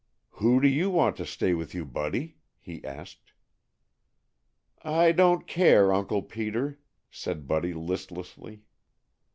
"Who do you want to stay with you, Buddy?" he asked. "I don't care, Uncle Peter," said Buddy listlessly.